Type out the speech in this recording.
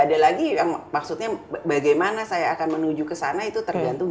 ada lagi yang maksudnya bagaimana saya akan menuju ke sana itu tergantung dua ribu dua puluh